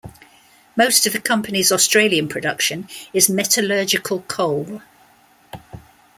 Most of the company's Australian production is metallurgical coal.